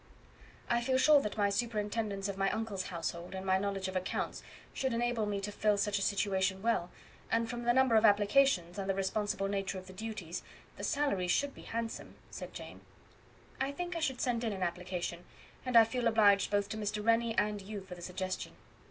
"I feel sure that my superintendence of my uncle's household, and my knowledge of accounts, should enable me to fill such a situation well, and from the number of applications, and the responsible nature of the duties, the salary should be handsome," said Jane. "I think I should send in an application, and I feel obliged both to Mr. Rennie and you for the suggestion.